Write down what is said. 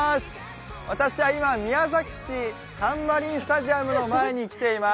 私は今、宮崎市サンマリンスタジアムの前に来ています。